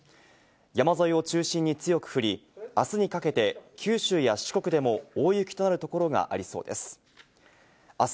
山沿いを中心に強く降り、明日にかけて九州や四国でも大雪となるところがありそうです。